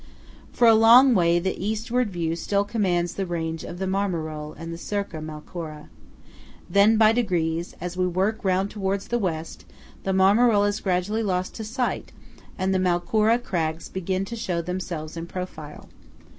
For a long way, the Eastward view still commands the range of the Marmarole and the Circa Malcora. Then by degrees, as we work round towards the West, the Marmarole is gradually lost to sight, and the Malcora crags begin to show themselves in profile.